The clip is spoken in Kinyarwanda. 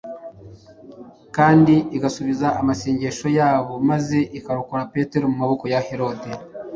kandi igasubiza amasengesho yabo maze ikarokora Petero mu maboko ya Herode.